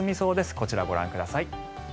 こちらをご覧ください。